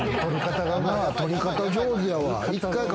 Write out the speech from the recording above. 撮り方、上手やわ！